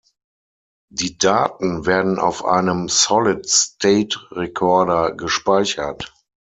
Die Daten werden auf einem Solid-State-Rekorder gespeichert.